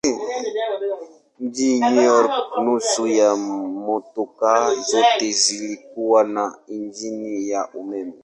Mjini New York nusu ya motokaa zote zilikuwa na injini ya umeme.